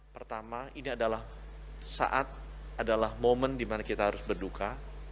pertama ini adalah saat adalah momen dimana kita harus berduka